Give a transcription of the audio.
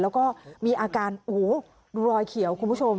แล้วก็มีอาการโอ้โหรอยเขียวคุณผู้ชม